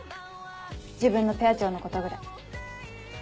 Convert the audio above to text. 自分のペア長のことぐらい。